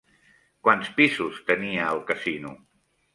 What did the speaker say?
Quants pisos tenia el casino?